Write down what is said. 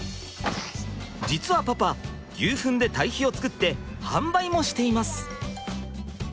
実はパパ牛フンで堆肥をつくって販売もしています。